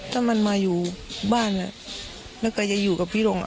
ถ้ามันมาอยู่บ้านแล้วก็จะอยู่กับพี่ลง